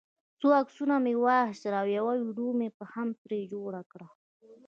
څو عکسونه مې واخیستل او یوه ویډیو مې هم ترې جوړه کړه.